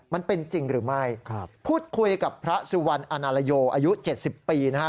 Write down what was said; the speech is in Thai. มันเป็นจริงหรือไม่พูดคุยกับพระสุวรรณอาณาลโยอายุ๗๐ปีนะฮะ